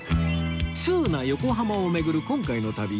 通な横浜を巡る今回の旅